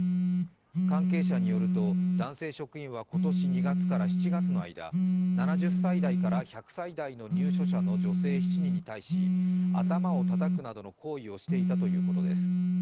関係者によると男性職員は今年２月から７月の間７０歳代から１００歳代の入所者の女性７人に対し頭をたたくなどの行為をしていたということです。